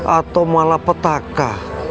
atau malah petaka